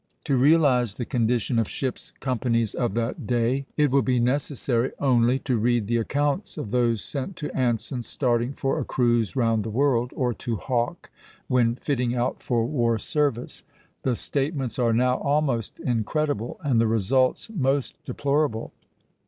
To realize the condition of ships' companies of that day, it will be necessary only to read the accounts of those sent to Anson starting for a cruise round the world, or to Hawke when fitting out for war service; the statements are now almost incredible, and the results most deplorable.